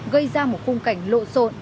gây ra một khung cảnh lộ sộn